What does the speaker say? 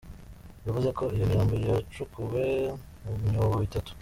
Yavuze ko iyo mirambo yacukuwe mu byobo bitatu.